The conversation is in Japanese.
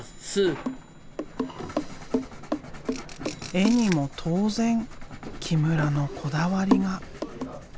絵にも当然木村のこだわりが。